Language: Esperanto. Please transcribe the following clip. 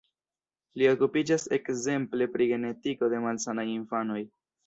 Li okupiĝas ekzemple pri genetiko de malsanaj infanoj.